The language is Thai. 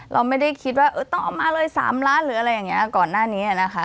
เราไม่ได้คิดว่าต้องเอามาเลย๓ล้านหรืออะไรอย่างนี้ก่อนหน้านี้นะคะ